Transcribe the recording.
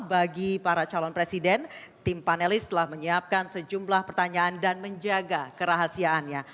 bagi para calon presiden tim panelis telah menyiapkan sejumlah pertanyaan dan menjaga kerahasiaannya